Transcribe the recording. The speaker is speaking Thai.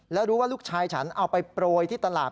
แล้วรู้ว่าลูกชายฉันเอาไปโปรยที่ตลาด